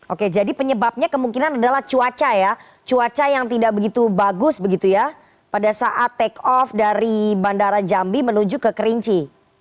oke jadi penyebabnya kemungkinan adalah cuaca ya cuaca yang tidak begitu bagus begitu ya pada saat take off dari bandara jambi menuju ke kerinci